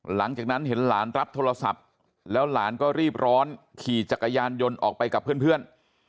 หลังจากนั้นเห็นหลานรับโทรศัพท์แล้วหลานก็รีบร้อนขี่จักรยานยนต์ออกไปกับเพื่อน